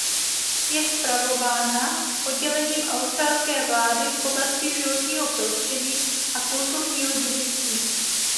Je spravována oddělením australské vlády v oblasti životního prostředí a kulturního dědictví.